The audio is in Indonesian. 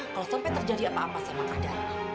kalau sampai terjadi apa apa sama kakak saya